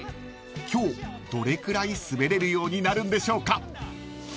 ［今日どれくらい滑れるようになるんでしょうか］